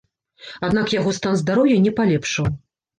Аднак яго стан здароўя не палепшаў.